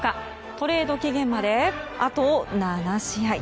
トレード期限まで、あと７試合。